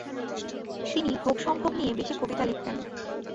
তিনি ভোগ সম্ভোগ নিয়ে বেশি কবিতা লিখতেন।